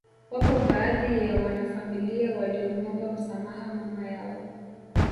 Wapo baadhi ya wanafamilia waliomwomba msamaha mama yao